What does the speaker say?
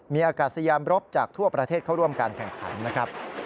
มีอากาศยามรบจากทั่วประเทศเข้าร่วมการแข่งขันนะครับ